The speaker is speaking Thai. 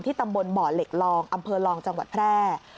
ตำบลบ่อเหล็กลองอำเภอลองจังหวัดแพร่